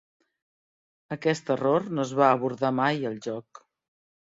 Aquest error no es va abordar mai al joc.